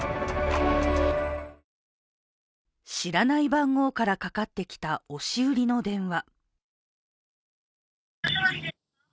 知らない番号からかかってきた押し売りの電話。